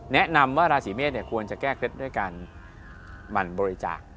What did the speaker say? แนะนำว่าราศีเมษควรจะแก้เคล็ดด้วยการ